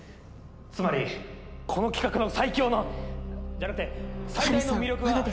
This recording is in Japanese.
つまりこの企画の最強のじゃなくて最大の魅力はハルさん